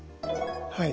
はい。